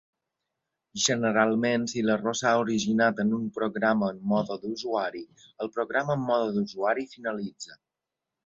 Generalment, si l'error s'ha originat en un programa en mode d'usuari, el programa en mode d'usuari finalitza.